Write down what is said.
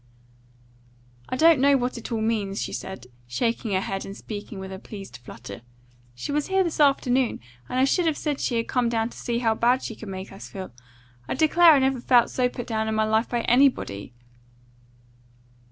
"I don't know what it all means," she said, shaking her head and speaking with a pleased flutter. "She was here this afternoon, and I should have said she had come to see how bad she could make us feel. I declare I never felt so put down in my life by anybody."